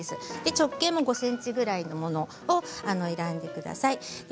直径も５ｃｍぐらいのものを選んでください。